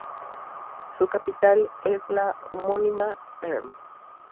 Su capital es la homónima Perm.